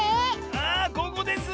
あここです！